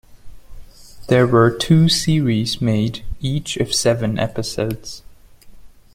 There were two series made; each of seven episodes.